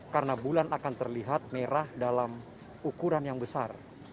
karena bulan akan terlihat merah dalam ukuran yang besar